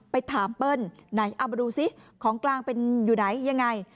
ไปถามเปิ้ลไหนเอามาดูซิของกลางเป็นอยู่ไหนยังไง